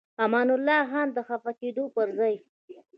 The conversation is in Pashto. امان الله خان د خفه کېدو پر ځای.